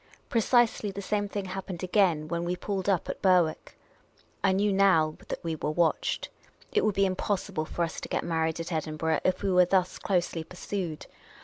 Precisely the same thing happened again when we pulled up at Berwick, I knew now that we were watched. It would be impossible for us to get married at Edinburgh if we were thus closely pursued.